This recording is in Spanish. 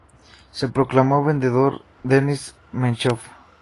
Se proclamó vencedor Denis Menchov.